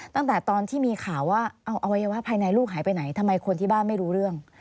ตั้งแต่ตอนที่มีข่าวว่าเอาอวัยวะภายในลูกหายไปไหนทำไมคนที่บ้านไม่รู้เรื่อง